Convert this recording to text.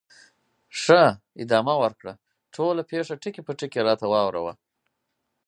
ښه، ادامه ورکړه، ټوله پېښه ټکي په ټکي راته واوره وه.